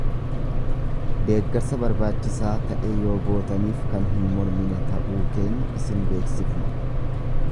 deeggarsa barbaachisaa ta’e yoo gootaniif kan hin mormine ta’uu keenya isin beeksifna.